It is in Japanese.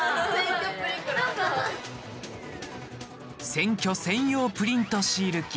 選挙専用プリントシール機